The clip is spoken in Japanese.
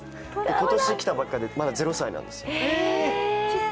今年来たばっかりで、まだ０歳なんですよ。